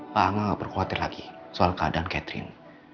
pak angga gak perlu khawatir lagi soal keadaan catherine